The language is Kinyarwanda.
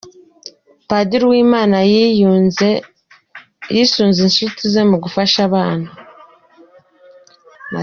Padiri Uwimana yisunze inshuti ze mu gufasha abana.